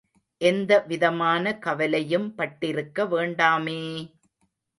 எந்தவிதமான கவலையும் பட்டிருக்க வேண்டாமே!